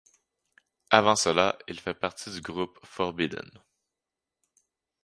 Avant cela, il a fait partie du groupe Forbidden.